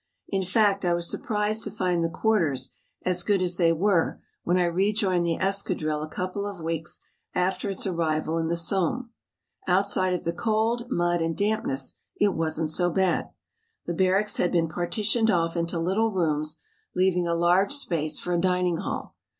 In fact I was surprised to find the quarters as good as they were when I rejoined the escadrille a couple of weeks after its arrival in the Somme. Outside of the cold, mud, and dampness it wasn't so bad. The barracks had been partitioned off into little rooms leaving a large space for a dining hall.